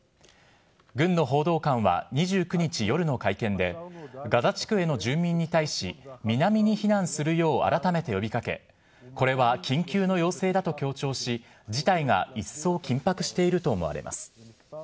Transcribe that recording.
軍の報道官は２９日夜の会見で、ガザ地区への住民に対し、南に避難するよう改めて呼びかけ、これは緊急の要請だと強調し、事態が一層緊迫していると思われます。